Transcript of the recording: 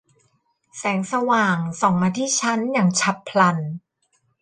แสงสว่างส่องมาที่ฉันอย่างฉับพลัน